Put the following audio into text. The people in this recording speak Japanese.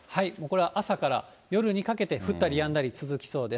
これは朝から夜にかけて、降ったりやんだり続きそうです。